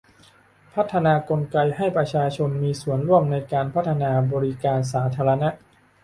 พัฒนากลไกให้ประชาชนมีส่วนร่วมในการพัฒนาบริการสาธารณะ